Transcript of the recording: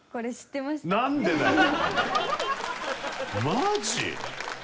マジ？